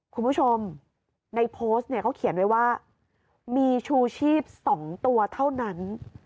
คุณผู้ชมในโพสต์เนี่ยเขาเขียนไว้ว่ามีชูชีพ๒ตัวเท่านั้น